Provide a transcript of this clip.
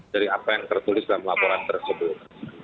dari apa yang tertulis dalam laporan tersebut